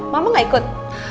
mama gak ikut